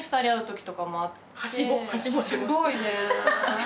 すごいね。